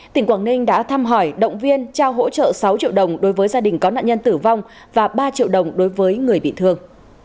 tỉnh quảng ninh đã thăm hỏi động viên trao hỗ trợ sáu triệu đồng đối với gia đình có nạn nhân tử vong và ba triệu đồng đối với người bị thương